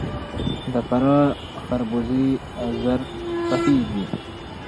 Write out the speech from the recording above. د فراه خربوزې ژر پخیږي.